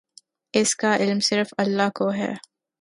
اس کا علم صرف اللہ کو ہے۔